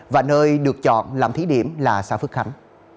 và nơi được chọn làm thí điểm là xã phước khánh